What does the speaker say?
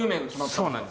そうなんです。